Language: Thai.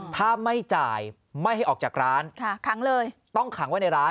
ถ้าไม่จ่ายไม่ให้ออกจากร้านขังเลยต้องขังไว้ในร้าน